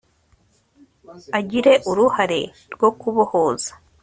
agire uruhare rwo kubohoza